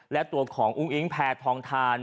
และตัวของอุ้งอิงแพทองทาน